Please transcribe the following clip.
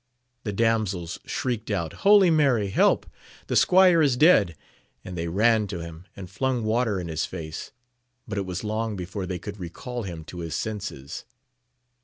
The damsels shrieked out, Holy Mary, help ! the squire is dead ! and they ran to him, and flung water in his face, but it was long before they could recal him to his senses.